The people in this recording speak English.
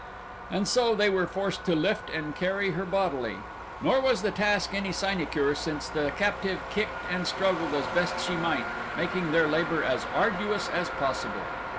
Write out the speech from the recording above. And so they were forced to lift and carry her bodily. Nor was the task any sinecure since the captive kicked and struggled as best she might, making their labor as arduous as possible.